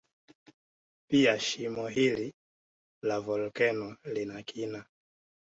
Pia shimo hili la volkeno lina kina